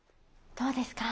どうですか？